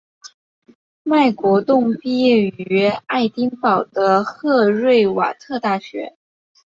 麦国栋毕业于爱丁堡的赫瑞瓦特大学。